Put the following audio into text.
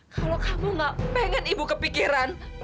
kalau kamu gak pengen ibu kepikiran